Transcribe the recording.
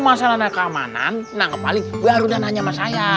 masalah keamanan nah kepaling baru dan hanya